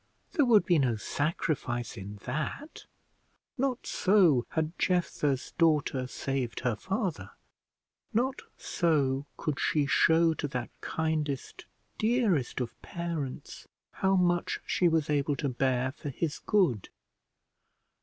There would be no sacrifice in that; not so had Jephthah's daughter saved her father; not so could she show to that kindest, dearest of parents how much she was able to bear for his good.